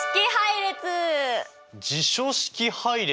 辞書式配列？